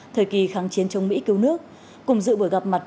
thời kỳ kháng chiến chống mỹ cứu nước cùng dự buổi gặp mặt